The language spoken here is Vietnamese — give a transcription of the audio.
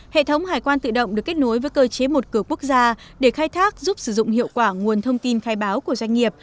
hệ thống hải quan tự động được kết nối với cơ chế một cửa quốc gia để khai thác giúp sử dụng hiệu quả nguồn thông tin khai báo của doanh nghiệp